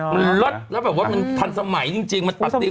มันลดแล้วมันทันสมัยจริง